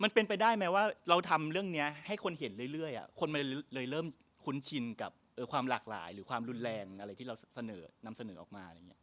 มันเป็นไปได้ไหมว่าเราทำเรื่องนี้ให้คนเห็นเรื่อยคนมันเลยเริ่มคุ้นชินกับความหลากหลายหรือความรุนแรงอะไรที่เราเสนอนำเสนอออกมาอะไรอย่างนี้